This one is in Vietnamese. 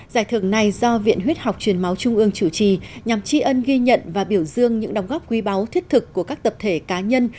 giải thưởng này do viện huyết học truyền máu trung ương chủ trì nhằm tri ân ghi nhận và biểu dương những đóng góp quý báu thiết thực của các tập thể cá nhân